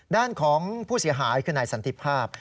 ด้านของผู้เสียหายคือนายสันติภาพ